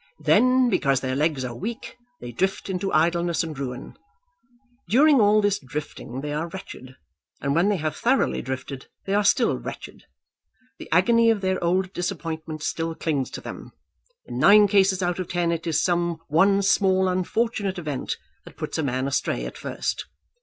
Then, because their legs are weak, they drift into idleness and ruin. During all this drifting they are wretched, and when they have thoroughly drifted they are still wretched. The agony of their old disappointment still clings to them. In nine cases out of ten it is some one small unfortunate event that puts a man astray at first.